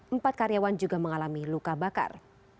empat karyawan juga mengalami luka bakar